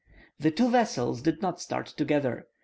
The two vessels did not start together.